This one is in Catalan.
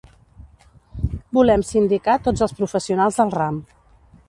Volem sindicar tots els professionals del ram.